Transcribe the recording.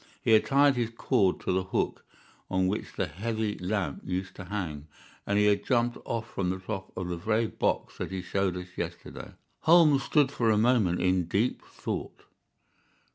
He had tied his cord to the hook on which the heavy lamp used to hang, and he had jumped off from the top of the very box that he showed us yesterday." Holmes stood for a moment in deep thought.